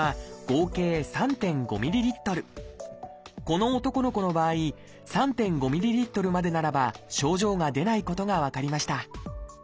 この男の子の場合３．５ｍＬまでならば症状が出ないことが分かりました。